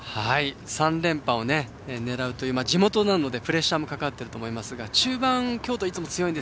３連覇を狙うという地元なのでプレッシャーもかかっていると思いますが中盤、京都はいつも強いので。